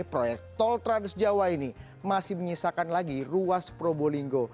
proyek tol transjawa ini masih menyisakan lagi ruas probolinggo